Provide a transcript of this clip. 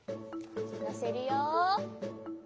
のせるよ。